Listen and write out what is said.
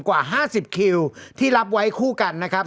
กว่า๕๐คิวที่รับไว้คู่กันนะครับ